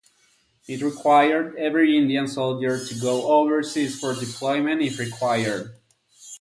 It required every Indian soldier to go overseas for deployment if required.